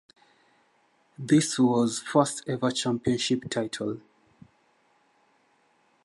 This was first ever championship title.